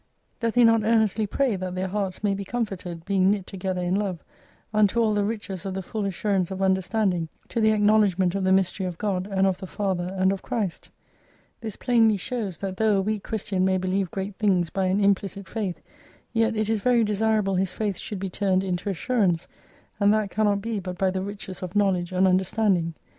Doth he not earnestly Q 241 pray, that their hearts may be comforted, being knit together in Love, unto all the riches of the full assur ance of understanding, to the acknowledgment of the mystery of God, and of the Father, and of Christ ? This plainly shows, that though a weak Christian may believe great things by an implicit faith, yet it is very desirable his faith should be turned into assurance, and that cannot be but by the riches of knowledge and understanding.